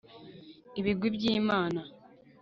ibigwi by'imana